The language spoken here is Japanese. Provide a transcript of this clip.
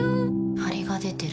ハリが出てる。